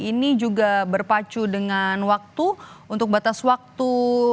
ini juga berpacu dengan waktu untuk batas waktu